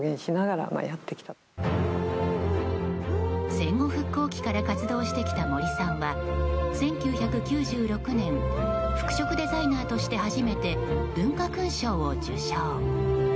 戦後復興期から活動してきた森さんは１９９６年服飾デザイナーとして初めて文化勲章を受章。